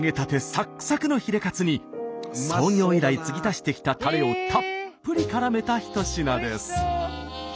サックサクのヒレカツに創業以来つぎ足してきたタレをたっぷりからめた一品です。